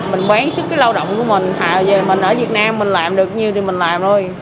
mình bán sức cái lao động của mình hạ về mình ở việt nam mình làm được nhiều thì mình làm thôi